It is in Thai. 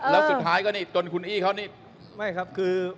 แล้วสุดท้ายก็จนอิเลย